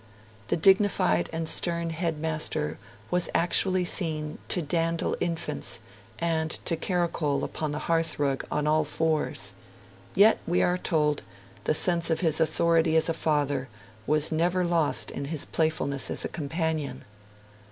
The dignified and stern headmaster was actually seen to dandle infants and to caracole upon the hearthrug on all fours. Yet, we are told, 'the sense of his authority as a father was never lost in his playfulness as a companion'.